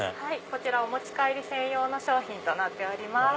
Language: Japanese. こちらお持ち帰り専用の商品となっております。